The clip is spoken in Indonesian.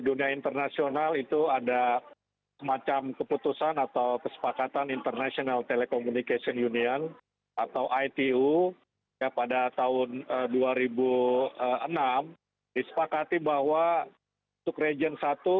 dunia internasional itu ada semacam keputusan atau kesepakatan international telekomunikasi union atau itu pada tahun dua ribu enam disepakati bahwa untuk region satu